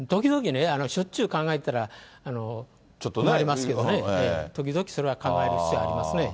しょっちゅう考えてたら、ちょっととなりますけどね、時々それは考える必要ありますね。